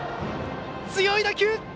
強い打球！